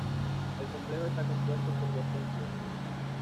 El complejo está compuesto por dos templos.